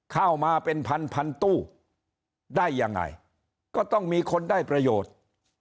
เข้ามาเป็นพันพันตู้ได้ยังไงก็ต้องมีคนได้ประโยชน์